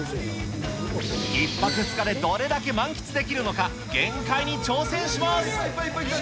１泊２日でどれだけ満喫できるのか、限界に挑戦します。